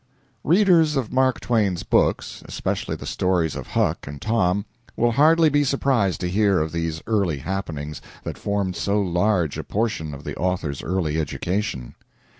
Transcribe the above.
Readers of Mark Twain's books especially the stories of Huck and Tom, will hardly be surprised to hear of these early happenings that formed so large a portion of the author's early education.